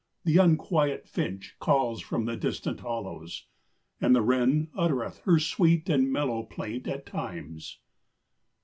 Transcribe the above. The unquiet finch Calls from the distant hollows, and the wren Uttereth her sweet and mellow plaint at times.